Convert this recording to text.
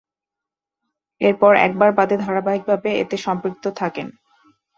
এরপর একবার বাদে ধারাবাহিকভাবে এতে সম্পৃক্ত থাকেন।